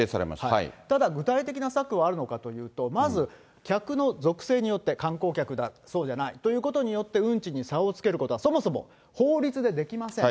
ただ、具体的な策はあるのかというと、まず客の属性によって、観光客だ、そうじゃないということによって、運賃に差をつけることはそもそも法律でできません。